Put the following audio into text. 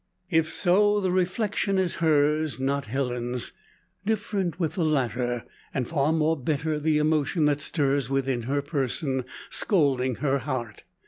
If so, the reflection is hers not Helen's. Different with the latter, and far more bitter the emotion that stirs within her person, scalding her heart.